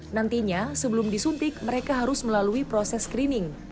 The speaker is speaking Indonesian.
nantinya sebelum disuntik mereka harus melalui proses screening